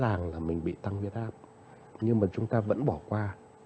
rõ ràng là mình bị tăng huyết áp nhưng mà chúng ta vẫn bỏ qua